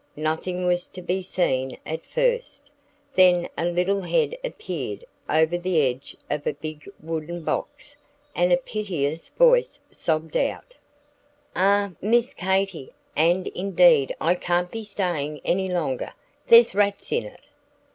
Nothing was to be seen at first, then a little head appeared over the edge of a big wooden box, and a piteous voice sobbed out: "Ah, Miss Katy, and indeed I can't be stayin' any longer. There's rats in it!"